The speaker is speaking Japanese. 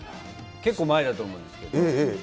結構前だと思うんですけど。